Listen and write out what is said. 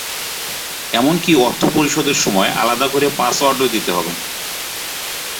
এমনকি অর্থ পরিশোধের সময় আলাদা করে পাসওয়ার্ডও দিতে হবে না।